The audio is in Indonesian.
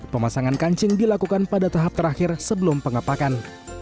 pemasangan kancing dilakukan pada tahap terakhir sebelum pengapakan